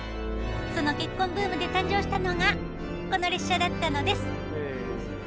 その結婚ブームで誕生したのがこの列車だったのです。